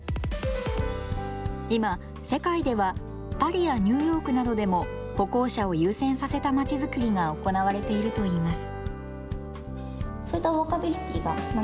今、世界ではパリやニューヨークなどでも歩行者を優先させたまちづくりが行われているといいます。